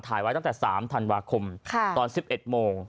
ไว้ตั้งแต่๓ธันวาคมตอน๑๑โมง